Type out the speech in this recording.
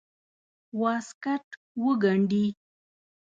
واسکټ وګنډي.